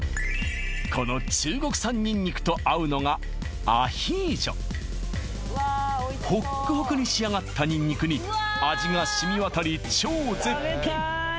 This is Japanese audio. この中国産ニンニクと合うのがアヒージョホックホクに仕上がったニンニクに味が染み渡り超絶品